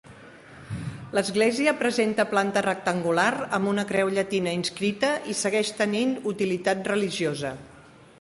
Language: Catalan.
L'església presenta planta rectangular, amb una creu llatina inscrita, i segueix tenint utilitat religiosa.